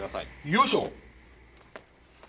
よいしょ。